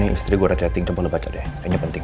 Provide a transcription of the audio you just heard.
ini istri gue udah chatting coba lo baca deh kayaknya penting